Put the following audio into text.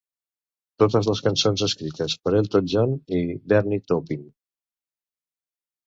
Totes les cançons escrites per Elton John i Bernie Taupin.